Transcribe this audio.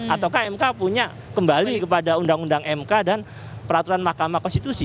ataukah mk punya kembali kepada undang undang mk dan peraturan mahkamah konstitusi